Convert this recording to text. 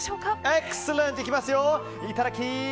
いただき！